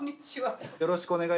よろしくお願いします。